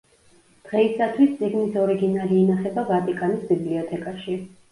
დღეისათვის წიგნის ორიგინალი ინახება ვატიკანის ბიბლიოთეკაში.